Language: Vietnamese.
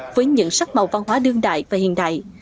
với những sắc màu văn hóa đương đại và hiện đại